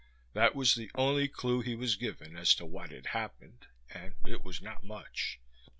That was the only clue he was given as to what had happened and it was not much.